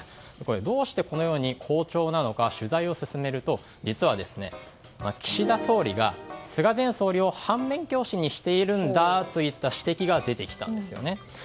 どうしてこのように好調なのか取材を進めると実は岸田総理が菅前総理を反面教師にしているんだといった指摘が出てきたんですよね。